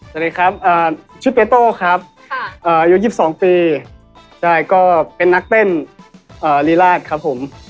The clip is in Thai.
สนิทครับชุดเฮียโตครับอยู่๒๒ปีใช่ก็เป็นนักเต้นลีลาสครับผม